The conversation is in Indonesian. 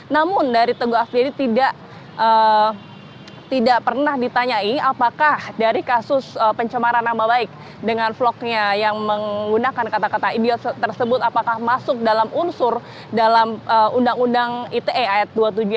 namun dari teguh afri tidak pernah ditanyai apakah dari kasus pencemaran nama baik dengan vlognya yang menggunakan kata kata ibiot tersebut apakah masuk dalam unsur dalam undang undang ite ayat dua ratus tujuh puluh delapan